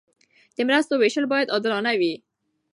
د مرستو ویشل باید عادلانه وي.